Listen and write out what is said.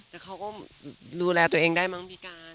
แต่เขาก็ดูแลตัวเองได้มั้งพี่การ